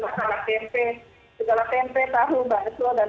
jadi gak susah karena tempe tahu bakso dan kawan kawannya itu aman